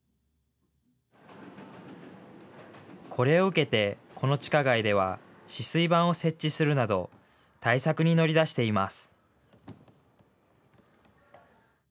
これを受けて、この地下街では止水板を設置するなど対策に乗り出しています。